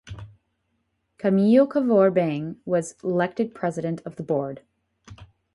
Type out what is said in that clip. Camillo Cavour Bang was elected president of the board.